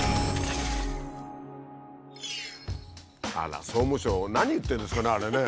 あら総務省何言ってるんですかね？